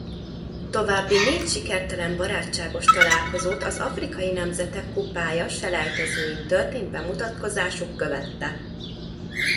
További négy sikertelen barátságos találkozót az afrikai nemzetek kupája-selejtezőin történt bemutatkozásuk követte.